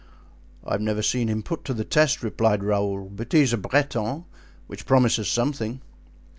"I have never seen him put to the test," replied Raoul, "but he is a Breton, which promises something."